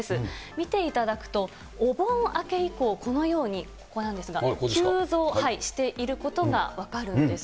見ていただくと、お盆明け以降、このように、ここなんですが、急増していることが分かるんです。